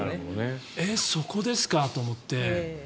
えっ、そこですかと思って。